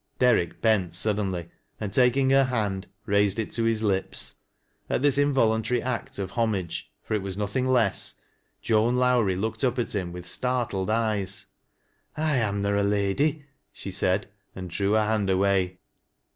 Derrick bent suddenly, and taking her hand, raised it to his lips. At this involuntary act of homage — for it was nothing less — Joan Lowrie looked up at him with startled eyes. "I am na a lady," she said, and di ew her hand away.